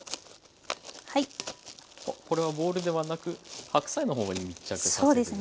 これはボウルではなく白菜の方に密着させるんですね。